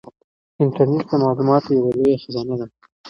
انټرنيټ د معلوماتو یوه لویه خزانه ده.